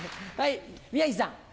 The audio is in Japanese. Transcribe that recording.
宮治さん。